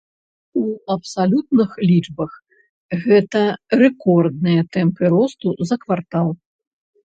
У абсалютных лічбах гэта рэкордныя тэмпы росту за квартал.